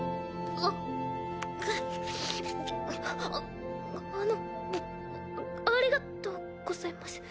ああのありがとうございます。